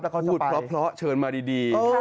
พูดเพราะเชิญมาดี